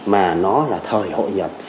mà nó là thời hội nhập